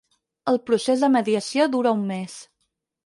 El procés de mediació dura un mes.